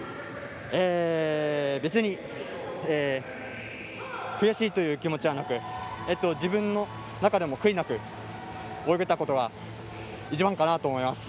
別に、悔しいという気持ちはなく自分の中でも悔いなく泳げたことが一番かなと思います。